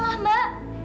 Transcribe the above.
edo sudah menculik